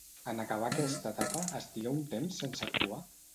En acabar aquesta etapa, estigué un temps sense actuar?